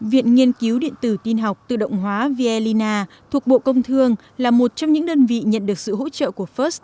viện nghiên cứu điện tử tin học tự động hóa viellina thuộc bộ công thương là một trong những đơn vị nhận được sự hỗ trợ của first